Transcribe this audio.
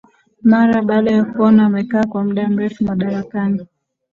mara baada ya kuona wemekaa kwa muda mrefu madarakani